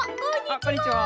あっこんにちは。